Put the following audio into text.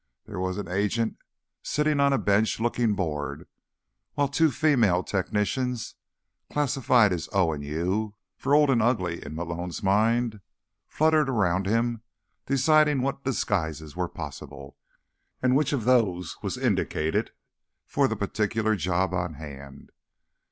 There was an agent sitting on a bench looking bored while two female technicians— classified as O&U for Old and Ugly in Malone's mind—fluttered around him, deciding what disguises were possible, and which of those was indicated for the particular job on hand.